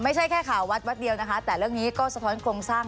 ไม่ใช่แค่ข่าววัดวัดเดียวนะคะแต่เรื่องนี้ก็สะท้อนโครงสร้าง